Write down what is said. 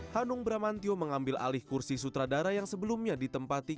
hanung bramantio mengambil alih kursi sutradara yang sebelumnya ditempati